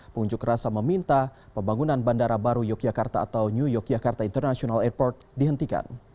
pengunjuk rasa meminta pembangunan bandara baru yogyakarta atau new yogyakarta international airport dihentikan